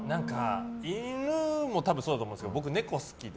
犬もそうだと思うんですけど僕、猫が好きで。